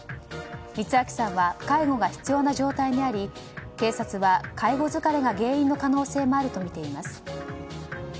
光昭さんは介護が必要な状態にあり警察は介護疲れが原因の可能性もあるとみています。